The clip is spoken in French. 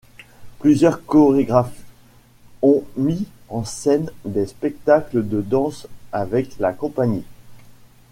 Plusieurs chorégraphes ont mis en scène des spectacles de danse avec la compagnie.